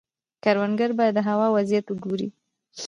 کروندګر باید د هوا وضعیت وګوري.